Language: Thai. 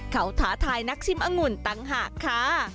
เขาท้าทายนักชิมองุ่นต่างหากค่ะ